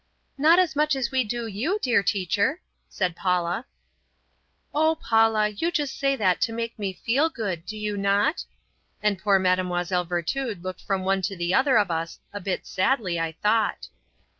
"Not as much as we do you, dear teacher," said Paula. "Oh, Paula, you just say that to make me feel good; do you not?" and poor Mlle. Virtud looked from one to the other of us a bit sadly I thought.